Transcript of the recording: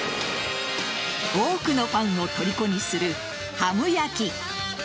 多くのファンをとりこにするハム焼。